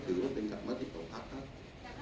คุณท่านหวังว่าประชาธิบัติไม่ชอบมาตรา๔๔ในงานสรรค์